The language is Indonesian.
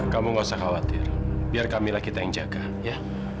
kamu nggak usah khawatir biar kami lah kita yang jaga ya